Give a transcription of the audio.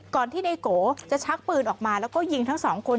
ก่อนที่นายโกจะชักปืนออกมาแล้วก็ยิงทั้งสองคน